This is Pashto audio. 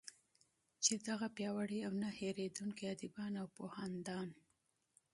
چې دغه پیاوړي او نه هیردونکي ادېبان او پوهیالان